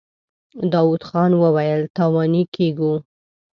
داوود خان وويل: تاواني کېږو.